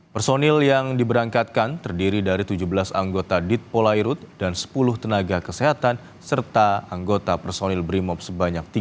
personil yang diberangkatkan terdiri dari tujuh belas anggota dit polairut dan sepuluh tenaga kesehatan serta anggota personil brimob sebanyak tiga puluh